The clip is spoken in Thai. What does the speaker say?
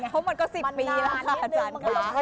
เพราะมันก็๑๐ปีแล้วค่ะอาจารย์ค่ะ